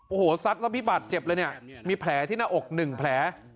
โอ้โหซัดแล้วพี่บาดเจ็บเลยเนี่ยมีแผลที่หน้าอกหนึ่งแผล